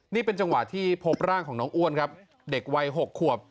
นี่เป็นจังหวะที่พบร่างของน้องอ้วนครับเด็กวัย๖ขวบ